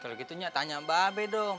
kalau gitu nyatanya mba abe dong